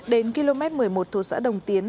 đến km một mươi một thuộc xã đồng tiến